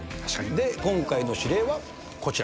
で、今回の指令はこちら。